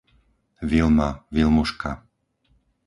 Vilma, Vilmuška